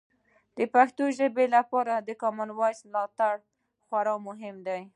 د پښتو ژبې لپاره د کامن وایس ملاتړ خورا مهم دی.